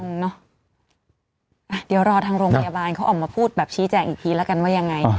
เดี๋ยวรอทางโรงพยาบาลเขาออกมาพูดแบบชี้แจงอีกทีแล้วกันว่ายังไง